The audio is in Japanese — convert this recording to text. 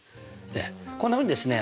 こんなふうにですね